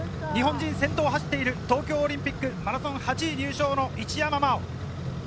日本人、先頭を走る東京オリンピック、マラソン８位に入賞の一山麻緒。